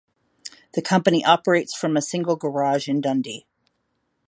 The company operates from a single garage in Dundee.